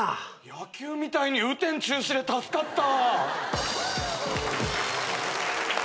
野球みたいに雨天中止で助かった。